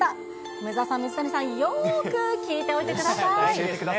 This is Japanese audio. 梅澤さん、水谷さん、よーく聞いておいてください。